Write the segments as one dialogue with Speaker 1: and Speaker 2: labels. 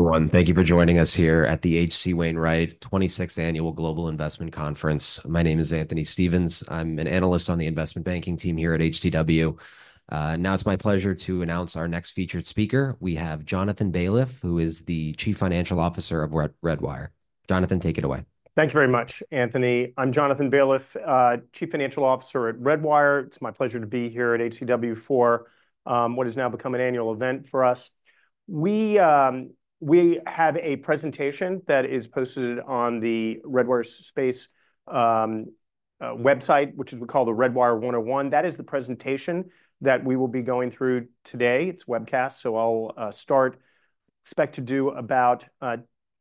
Speaker 1: Everyone, thank you for joining us here at the H.C. Wainwright 26th Annual Global Investment Conference. My name is Anthony Stevens. I'm an analyst on the investment banking team here at HCW. Now it's my pleasure to announce our next featured speaker. We have Jonathan Baliff, who is the Chief Financial Officer of Redwire. Jonathan, take it away.
Speaker 2: Thank you very much, Anthony. I'm Jonathan Baliff, Chief Financial Officer at Redwire. It's my pleasure to be here at HCW for what has now become an annual event for us. We have a presentation that is posted on the Redwire Space website, which we call the Redwire 101. That is the presentation that we will be going through today. It's a webcast, so I'll start. Expect to do about,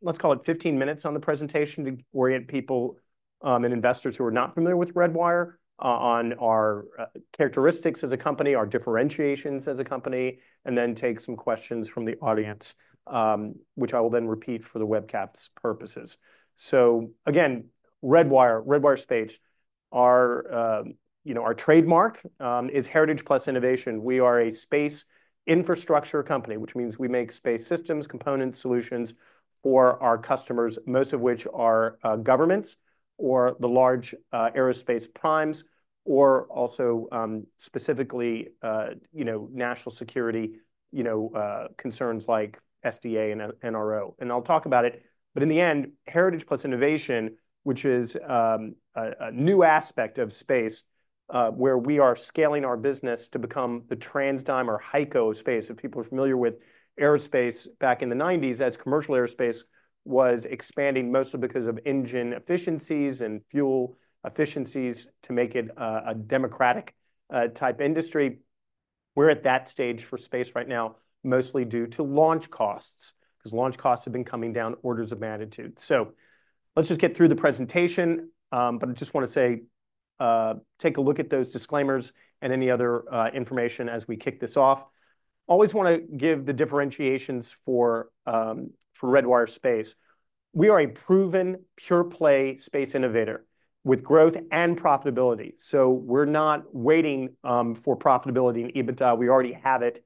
Speaker 2: let's call it 15 minutes on the presentation to orient people and investors who are not familiar with Redwire on our characteristics as a company, our differentiations as a company, and then take some questions from the audience, which I will then repeat for the webcast's purposes. So again, Redwire, Redwire Space. Our you know, our trademark is heritage plus innovation. We are a space infrastructure company, which means we make space systems, component solutions for our customers, most of which are governments or the large aerospace primes, or also specifically, you know, national security, you know, concerns like SDA and NRO. And I'll talk about it, but in the end, heritage plus innovation, which is a new aspect of space, where we are scaling our business to become the TransDigm or HEICO space. If people are familiar with aerospace back in the nineties, as commercial aerospace was expanding, mostly because of engine efficiencies and fuel efficiencies to make it a democratic type industry. We're at that stage for space right now, mostly due to launch costs, 'cause launch costs have been coming down orders of magnitude. So let's just get through the presentation, but I just want to say, take a look at those disclaimers and any other information as we kick this off. Always want to give the differentiations for Redwire Space. We are a proven, pure-play space innovator with growth and profitability, so we're not waiting for profitability and EBITDA. We already have it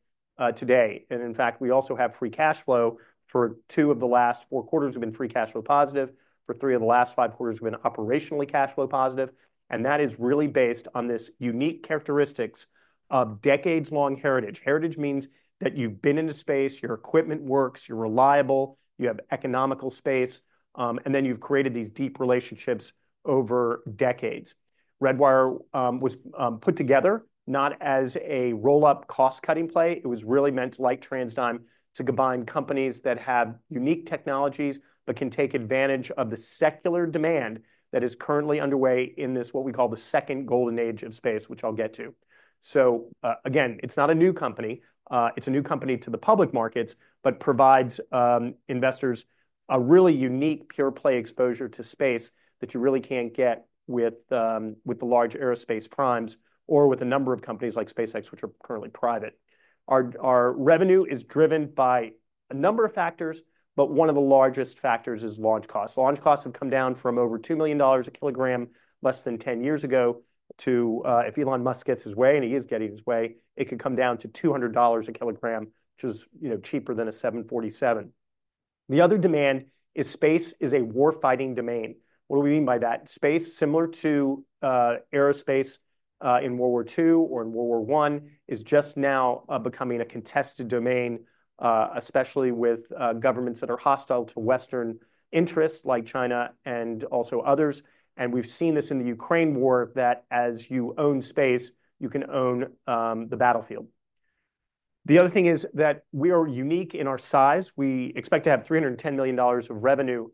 Speaker 2: today, and in fact, we also have free cash flow. For two of the last four quarters, we've been free cash flow positive. For three of the last five quarters, we've been operationally cash flow positive, and that is really based on this unique characteristics of decades-long heritage. Heritage means that you've been into space, your equipment works, you're reliable, you have economical space, and then you've created these deep relationships over decades. Redwire was put together not as a roll-up cost-cutting play. It was really meant, like TransDigm, to combine companies that have unique technologies but can take advantage of the secular demand that is currently underway in this, what we call the second golden age of space, which I'll get to. So, again, it's not a new company. It's a new company to the public markets, but provides investors a really unique, pure-play exposure to space that you really can't get with the large aerospace primes or with a number of companies like SpaceX, which are currently private. Our revenue is driven by a number of factors, but one of the largest factors is launch costs. Launch costs have come down from over $2 million a kilogram less than 10 years ago to... If Elon Musk gets his way, and he is getting his way, it could come down to $200 a kilogram, which is, you know, cheaper than a 747. The other demand is space is a war-fighting domain. What do we mean by that? Space, similar to, aerospace, in World War II or in World War I, is just now, becoming a contested domain, especially with, governments that are hostile to Western interests like China and also others. And we've seen this in the Ukraine war, that as you own space, you can own, the battlefield. The other thing is that we are unique in our size. We expect to have $310 million of revenue,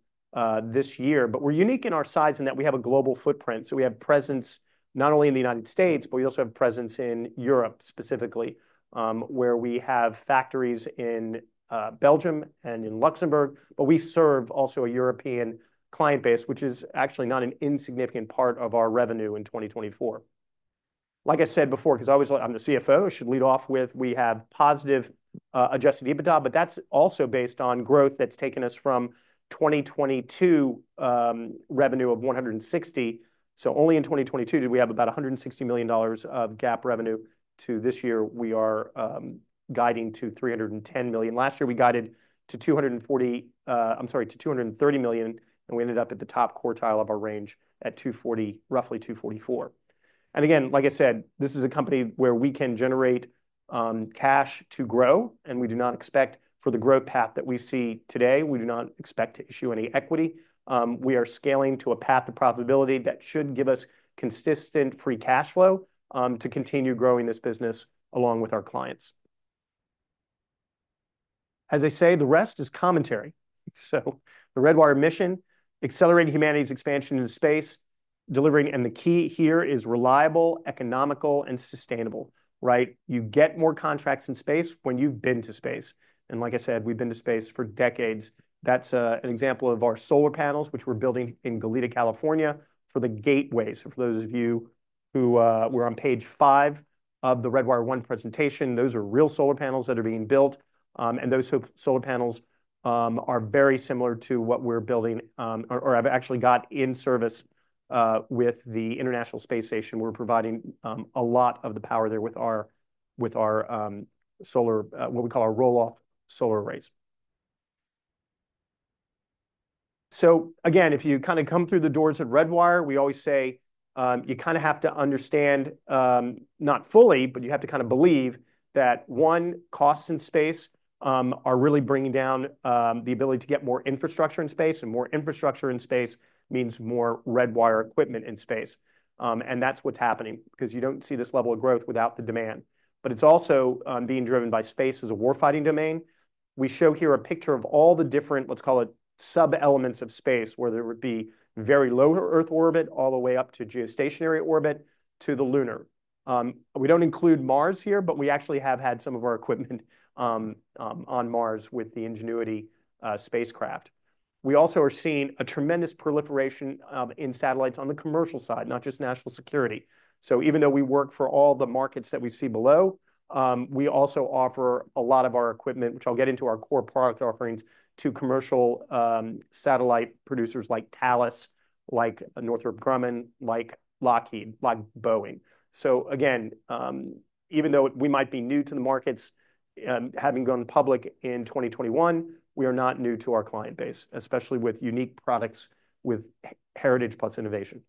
Speaker 2: this year. But we're unique in our size in that we have a global footprint, so we have presence not only in the United States, but we also have presence in Europe, specifically, where we have factories in, Belgium and in Luxembourg. But we serve also a European client base, which is actually not an insignificant part of our revenue in 2024. Like I said before, 'cause I'm the CFO, I should lead off with: We have positive, adjusted EBITDA, but that's also based on growth that's taken us from 2022, revenue of $160 million. So only in 2022 did we have about $160 million of GAAP revenue, to this year, we are guiding to $310 million. Last year, we guided to $240, I'm sorry, to $230 million, and we ended up at the top quartile of our range at $240, roughly $244. And again, like I said, this is a company where we can generate cash to grow, and we do not expect, for the growth path that we see today, to issue any equity. We are scaling to a path of profitability that should give us consistent free cash flow to continue growing this business along with our clients. As I say, the rest is commentary. So the Redwire mission: accelerating humanity's expansion into space, delivering, and the key here is reliable, economical, and sustainable, right? You get more contracts in space when you've been to space, and like I said, we've been to space for decades. That's an example of our solar panels, which we're building in Goleta, California, for the Gateway. So for those of you who were on page five of the Redwire 101 presentation, those are real solar panels that are being built, and those solar panels are very similar to what we're building, or have actually got in service with the International Space Station. We're providing a lot of the power there with our solar what we call our roll-out solar arrays. So again, if you kind of come through the doors at Redwire, we always say, you kind of have to understand, not fully, but you have to kind of believe that, one, costs in space are really bringing down the ability to get more infrastructure in space, and more infrastructure in space means more Redwire equipment in space. And that's what's happening, because you don't see this level of growth without the demand. But it's also being driven by space as a war-fighting domain. We show here a picture of all the different, let's call it, sub-elements of space, whether it be Very Low Earth Orbit, all the way up to geostationary orbit, to the lunar. We don't include Mars here, but we actually have had some of our equipment on Mars with the Ingenuity spacecraft. We also are seeing a tremendous proliferation, in satellites on the commercial side, not just national security. So even though we work for all the markets that we see below, we also offer a lot of our equipment, which I'll get into our core product offerings, to commercial, satellite producers like Thales, like Northrop Grumman, like Lockheed, like Boeing. So again, even though we might be new to the markets, having gone public in 2021, we are not new to our client base, especially with unique products with heritage plus innovation.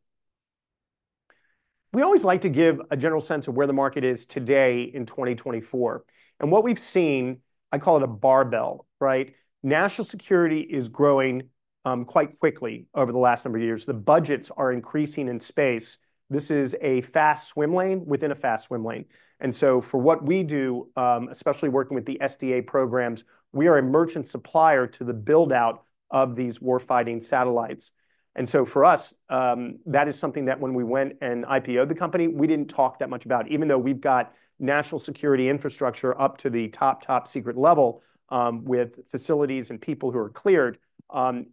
Speaker 2: We always like to give a general sense of where the market is today in 2024, and what we've seen, I call it a barbell, right? National security is growing, quite quickly over the last number of years. The budgets are increasing in space. This is a fast swim lane within a fast swim lane. And so for what we do, especially working with the SDA programs, we are a merchant supplier to the build-out of these warfighting satellites. And so for us, that is something that when we went and IPO-ed the company, we didn't talk that much about. Even though we've got national security infrastructure up to the top, top secret level, with facilities and people who are cleared,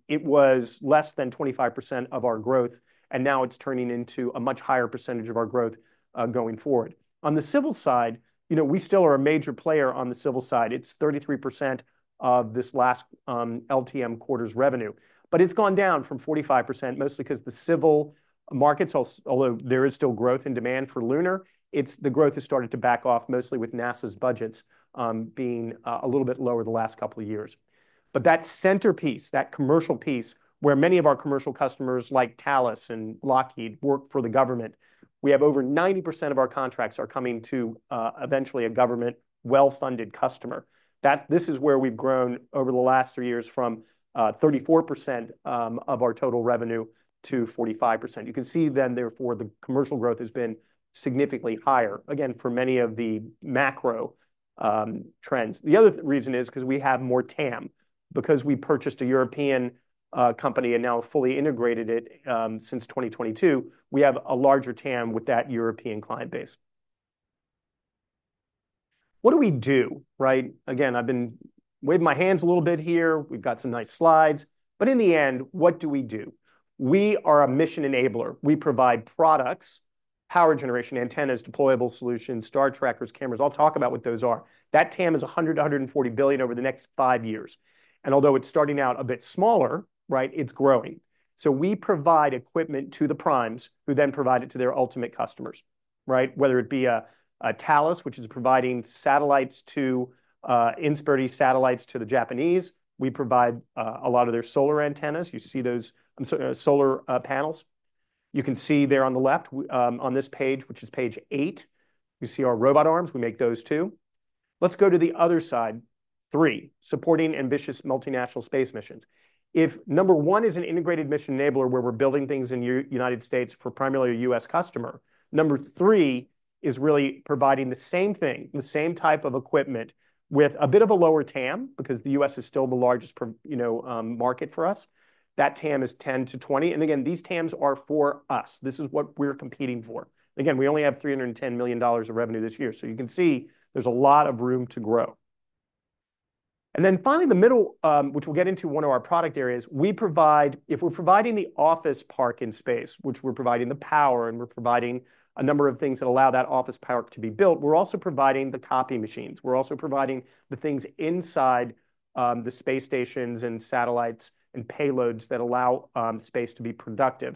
Speaker 2: it was less than 25% of our growth, and now it's turning into a much higher percentage of our growth, going forward. On the civil side, you know, we still are a major player on the civil side. It's 33% of this last, LTM quarter's revenue. But it's gone down from 45%, mostly because the civil markets, although there is still growth and demand for lunar, it's the growth has started to back off, mostly with NASA's budgets being a little bit lower the last couple of years. But that centerpiece, that commercial piece, where many of our commercial customers, like Thales and Lockheed, work for the government, we have over 90% of our contracts are coming to eventually a government well-funded customer. That this is where we've grown over the last three years, from 34% of our total revenue to 45%. You can see then, therefore, the commercial growth has been significantly higher, again, for many of the macro trends. The other reason is because we have more TAM. Because we purchased a European company and now fully integrated it since 2021, we have a larger TAM with that European client base. What do we do, right? Again, I've been waving my hands a little bit here. We've got some nice slides. But in the end, what do we do? We are a mission enabler. We provide products, power generation, antennas, deployable solutions, star trackers, cameras. I'll talk about what those are. That TAM is $140 billion over the next five years, and although it's starting out a bit smaller, right, it's growing. So we provide equipment to the primes, who then provide it to their ultimate customers, right? Whether it be a Thales, which is providing satellites to INSPIRE satellites to the Japanese. We provide a lot of their solar antennas. You see those, so, solar panels. You can see there on the left, on this page, which is page eight, you see our robot arms. We make those, too. Let's go to the other side. Three: supporting ambitious multinational space missions. If number one is an integrated mission enabler, where we're building things in United States for primarily a U.S. customer, number three is really providing the same thing, the same type of equipment with a bit of a lower TAM, because the U.S. is still the largest, you know, market for us. That TAM is 10-20. And again, these TAMs are for us. This is what we're competing for. Again, we only have $310 million of revenue this year, so you can see there's a lot of room to grow. And then finally, the middle, which we'll get into one of our product areas, we provide. If we're providing the office park in space, which we're providing the power, and we're providing a number of things that allow that office park to be built, we're also providing the copy machines. We're also providing the things inside the space stations and satellites and payloads that allow space to be productive.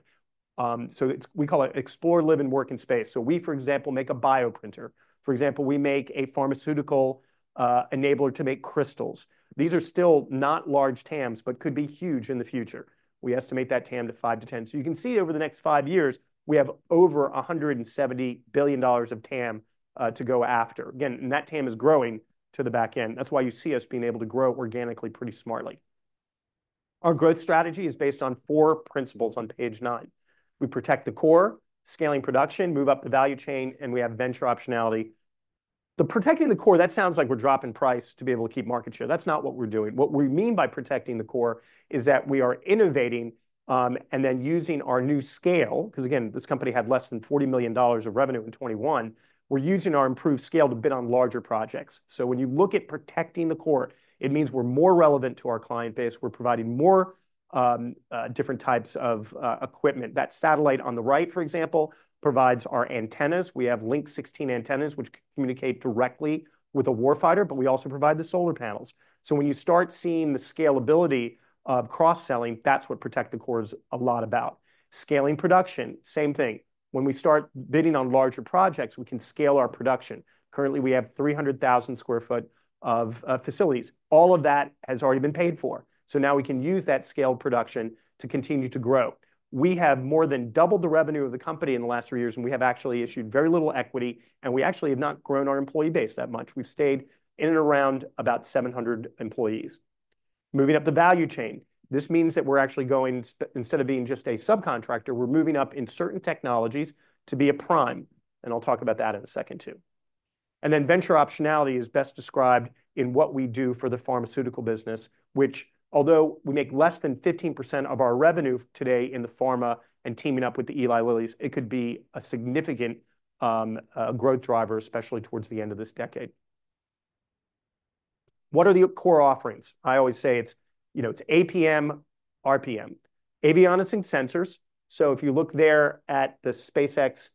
Speaker 2: So it's. We call it explore, live, and work in space. So we, for example, make a bioprinter. For example, we make a pharmaceutical enabler to make crystals. These are still not large TAMs but could be huge in the future. We estimate that TAM to 5-10. So you can see over the next five years, we have over $170 billion of TAM to go after. Again, and that TAM is growing to the back end. That's why you see us being able to grow organically, pretty smartly. Our growth strategy is based on four principles on page nine. We protect the core, scaling production, move up the value chain, and we have venture optionality. The protecting the core, that sounds like we're dropping price to be able to keep market share. That's not what we're doing. What we mean by protecting the core is that we are innovating, and then using our new scale, because, again, this company had less than $40 million of revenue in 2021. We're using our improved scale to bid on larger projects. So when you look at protecting the core, it means we're more relevant to our client base. We're providing more, different types of, equipment. That satellite on the right, for example, provides our antennas. We have Link 16 antennas, which communicate directly with a warfighter, but we also provide the solar panels. So when you start seeing the scalability of cross-selling, that's what protecting the core is a lot about. Scaling production, same thing. When we start bidding on larger projects, we can scale our production. Currently, we have 300,000 sq ft of facilities. All of that has already been paid for, so now we can use that scaled production to continue to grow. We have more than doubled the revenue of the company in the last three years, and we have actually issued very little equity, and we actually have not grown our employee base that much. We've stayed in and around about 700 employees. Moving up the value chain. This means that we're actually going instead of being just a subcontractor, we're moving up in certain technologies to be a prime, and I'll talk about that in a second, too. Then venture optionality is best described in what we do for the pharmaceutical business, which, although we make less than 15% of our revenue today in the pharma and teaming up with the Eli Lilly's, it could be a significant growth driver, especially towards the end of this decade. What are the core offerings? I always say it's, you know, it's APM, RPM, avionics and sensors. So if you look there at the SpaceX,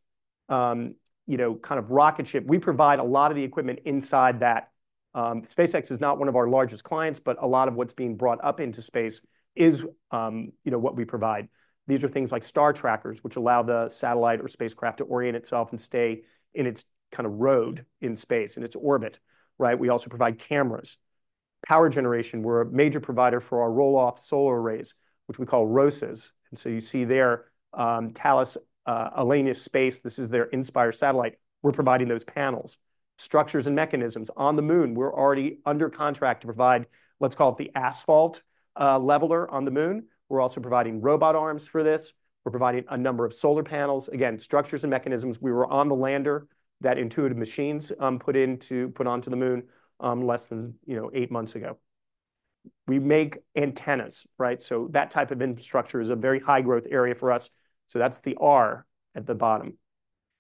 Speaker 2: you know, kind of rocket ship, we provide a lot of the equipment inside that. SpaceX is not one of our largest clients, but a lot of what's being brought up into space is, you know, what we provide. These are things like star trackers, which allow the satellite or spacecraft to orient itself and stay in its kinda road in space, in its orbit, right? We also provide cameras. Power generation, we're a major provider for our roll-out solar arrays, which we call ROSAs. And so you see there, Thales Alenia Space, this is their INSPIRE satellite. We're providing those panels. Structures and mechanisms. On the Moon, we're already under contract to provide, let's call it the asphalt leveler on the Moon. We're also providing robot arms for this. We're providing a number of solar panels. Again, structures and mechanisms. We were on the lander that Intuitive Machines put onto the Moon, less than, you know, eight months ago. We make antennas, right? So that type of infrastructure is a very high-growth area for us. So that's the R at the bottom,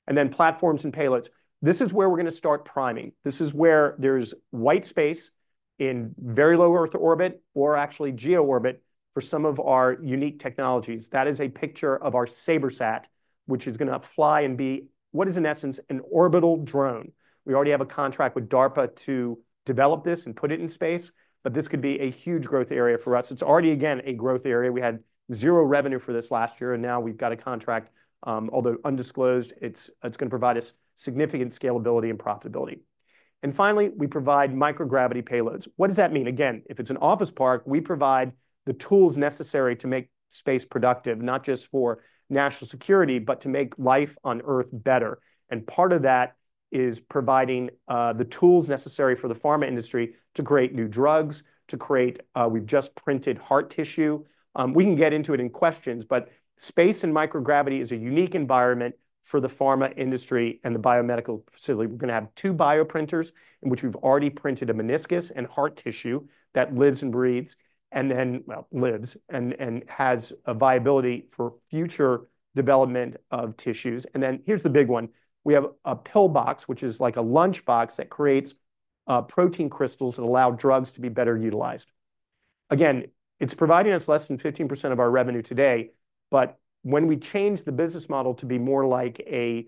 Speaker 2: and then platforms and payloads. This is where we're gonna start priming. This is where there's white space in very low Earth orbit or actually GEO orbit for some of our unique technologies. That is a picture of our SabreSat, which is gonna fly and be, what is in essence, an orbital drone. We already have a contract with DARPA to develop this and put it in space, but this could be a huge growth area for us. It's already, again, a growth area. We had zero revenue for this last year, and now we've got a contract, although undisclosed, it's gonna provide us significant scalability and profitability. And finally, we provide microgravity payloads. What does that mean? Again, if it's an office park, we provide the tools necessary to make space productive, not just for national security, but to make life on Earth better. And part of that is providing the tools necessary for the pharma industry to create new drugs, to create... We've just printed heart tissue. We can get into it in questions, but space and microgravity is a unique environment for the pharma industry and the biomedical facility. We're gonna have two bioprinters, in which we've already printed a meniscus and heart tissue that lives and breathes, and then, well, lives and has a viability for future development of tissues. And then here's the big one: We have a PIL-BOX, which is like a lunchbox that creates protein crystals that allow drugs to be better utilized. Again, it's providing us less than 15% of our revenue today, but when we change the business model to be more like a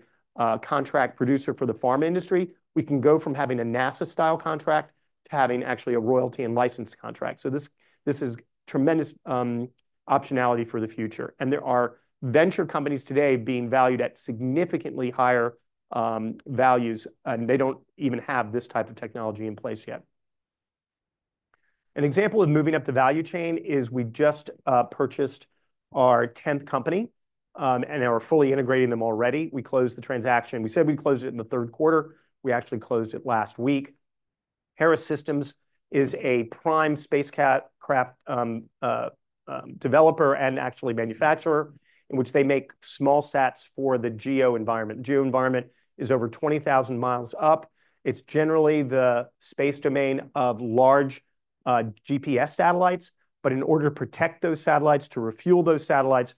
Speaker 2: contract producer for the pharma industry, we can go from having a NASA-style contract to having actually a royalty and license contract. So this, this is tremendous optionality for the future, and there are venture companies today being valued at significantly higher values, and they don't even have this type of technology in place yet. An example of moving up the value chain is we just purchased our 10th company and are fully integrating them already. We closed the transaction. We said we closed it in the third quarter. We actually closed it last week. Hera Systems is a prime spacecraft developer and actually manufacturer, in which they make small sats for the GEO environment. GEO environment is over 20,000 miles up. It's generally the space domain of large GPS satellites, but in order to protect those satellites, to refuel those satellites,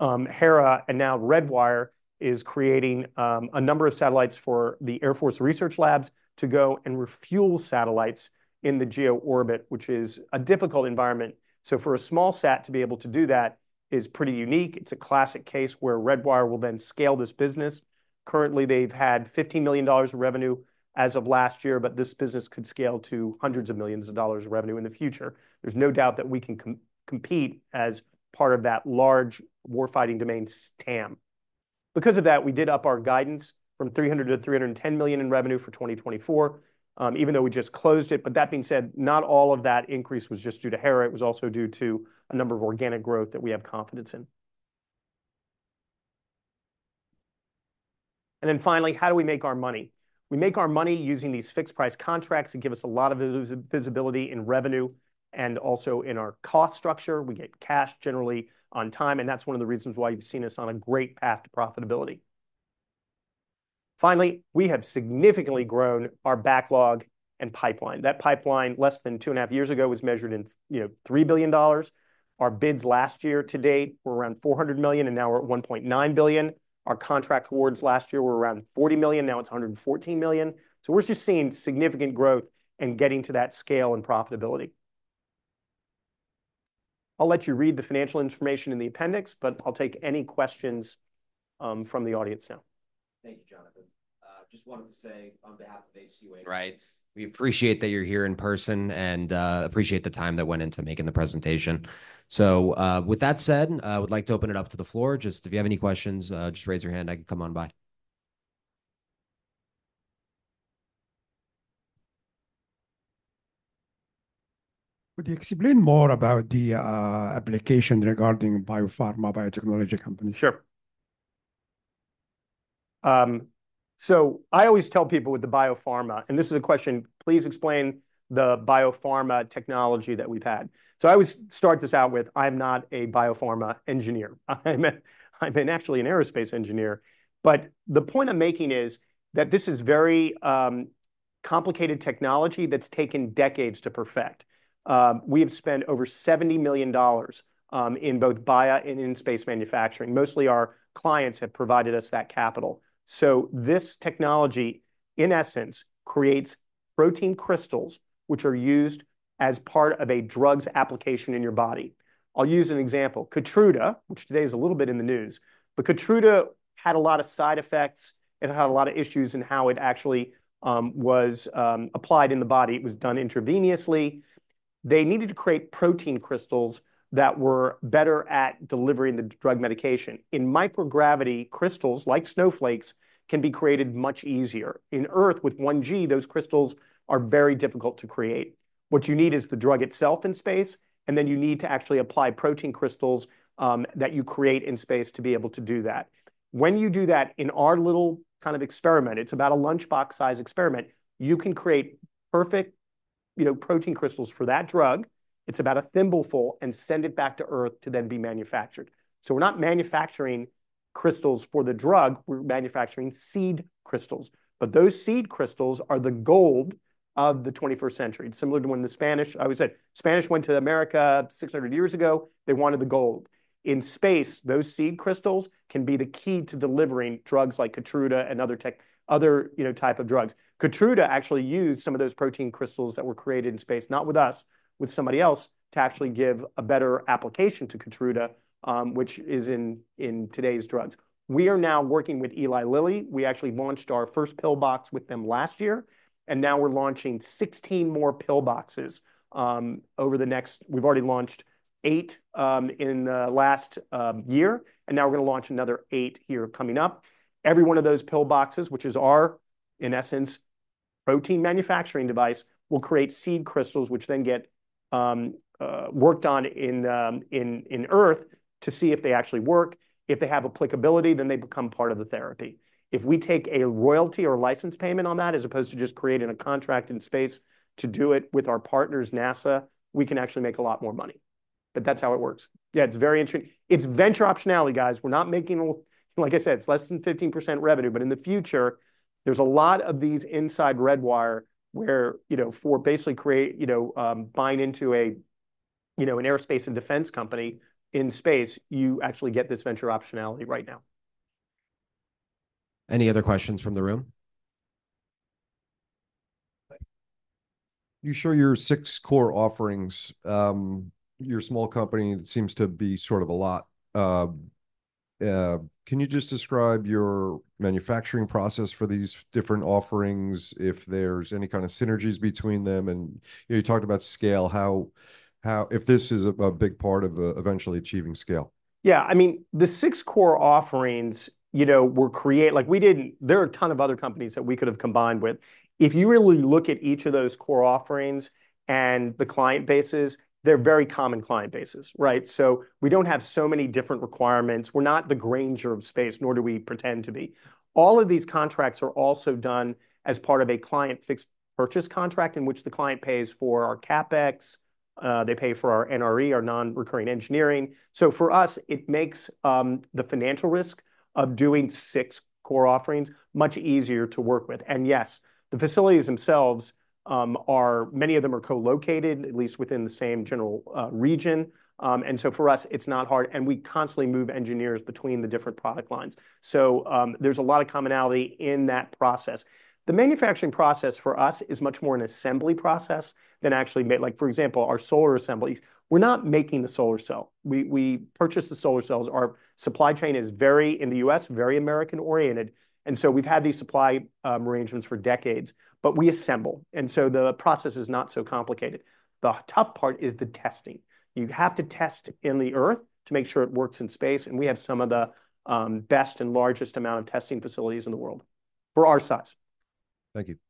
Speaker 2: Hera and now Redwire is creating a number of satellites for the Air Force Research Laboratory to go and refuel satellites in the GEO orbit, which is a difficult environment. So for a small sat to be able to do that is pretty unique. It's a classic case where Redwire will then scale this business. Currently, they've had $50 million of revenue as of last year, but this business could scale to hundreds of millions of dollars of revenue in the future. There's no doubt that we can compete as part of that large war-fighting domain TAM. Because of that, we did up our guidance from $300 million-$310 million in revenue for 2024, even though we just closed it. But that being said, not all of that increase was just due to Hera. It was also due to a number of organic growth that we have confidence in. And then finally, how do we make our money? We make our money using these fixed-price contracts that give us a lot of visibility in revenue and also in our cost structure. We get cash generally on time, and that's one of the reasons why you've seen us on a great path to profitability. Finally, we have significantly grown our backlog and pipeline. That pipeline, less than two and a half years ago, was measured in few, you know, $3 billion. Our bids last year to date were around $400 million, and now we're at $1.9 billion. Our contract awards last year were around $40 million. Now it's $114 million. So we're just seeing significant growth and getting to that scale and profitability. I'll let you read the financial information in the appendix, but I'll take any questions from the audience now.
Speaker 1: Thank you, Jonathan. Just wanted to say, on behalf of HCW, right? We appreciate that you're here in person and appreciate the time that went into making the presentation. So, with that said, I would like to open it up to the floor. Just if you have any questions, just raise your hand. I can come on by. Could you explain more about the application regarding biopharma, biotechnology companies?
Speaker 2: Sure, so I always tell people with the biopharma, and this is a question, please explain the biopharma technology that we've had. So I always start this out with, I'm not a biopharma engineer. I'm a, I'm actually an aerospace engineer. But the point I'm making is that this is very complicated technology that's taken decades to perfect. We have spent over $70 million in both bio and in space manufacturing. Mostly, our clients have provided us that capital. So this technology, in essence, creates protein crystals, which are used as part of a drug's application in your body. I'll use an example. Keytruda, which today is a little bit in the news, but Keytruda had a lot of side effects. It had a lot of issues in how it actually was applied in the body. It was done intravenously. They needed to create protein crystals that were better at delivering the drug medication. In microgravity, crystals, like snowflakes, can be created much easier. On Earth, with one G, those crystals are very difficult to create. What you need is the drug itself in space, and then you need to actually apply protein crystals that you create in space to be able to do that. When you do that in our little kind of experiment, it's about a lunchbox-size experiment, you can create perfect, you know, protein crystals for that drug. It's about a thimbleful, and send it back to Earth to then be manufactured. So we're not manufacturing crystals for the drug, we're manufacturing seed crystals, but those seed crystals are the gold of the 21st century. Similar to when the Spanish went to America 600 years ago. I always say they wanted the gold. In space, those seed crystals can be the key to delivering drugs like Keytruda and other tech- other, you know, type of drugs. Keytruda actually used some of those protein crystals that were created in space, not with us, with somebody else, to actually give a better application to Keytruda, which is in today's drugs. We are now working with Eli Lilly. We actually launched our first PIL-BOX with them last year, and now we're launching 16 more PIL-BOXes. We've already launched eight in the last year, and now we're gonna launch another eight here coming up. Every one of those PIL-BOXes, which is our, in essence, protein manufacturing device, will create seed crystals, which then get worked on on Earth to see if they actually work. If they have applicability, then they become part of the therapy. If we take a royalty or license payment on that, as opposed to just creating a contract in space to do it with our partners, NASA, we can actually make a lot more money, but that's how it works. Yeah, it's very interesting. It's venture optionality, guys. We're not making—like I said, it's less than 15% revenue, but in the future, there's a lot of these inside Redwire, where, you know, for basically create, you know, buying into a, you know, an aerospace and defense company in space, you actually get this venture optionality right now.
Speaker 1: Any other questions from the room? You show your six core offerings. You're a small company. It seems to be sort of a lot. Can you just describe your manufacturing process for these different offerings, if there's any kind of synergies between them? And, you know, you talked about scale, if this is a big part of eventually achieving scale.
Speaker 2: Yeah, I mean, the six core offerings, you know, were created. Like, we didn't. There are a ton of other companies that we could have combined with. If you really look at each of those core offerings and the client bases, they're very common client bases, right? So we don't have so many different requirements. We're not the Grainger of space, nor do we pretend to be. All of these contracts are also done as part of a client fixed purchase contract, in which the client pays for our CapEx. They pay for our NRE, our non-recurring engineering. So for us, it makes the financial risk of doing six core offerings much easier to work with. And yes, the facilities themselves, many of them are co-located, at least within the same general region. And so for us, it's not hard, and we constantly move engineers between the different product lines. So, there's a lot of commonality in that process. The manufacturing process for us is much more an assembly process than actually. Like, for example, our solar assemblies, we're not making the solar cell. We purchase the solar cells. Our supply chain is very, in the U.S., very American-oriented, and so we've had these supply arrangements for decades. But we assemble, and so the process is not so complicated. The tough part is the testing. You have to test in the Earth to make sure it works in space, and we have some of the best and largest amount of testing facilities in the world for our size. Thank you.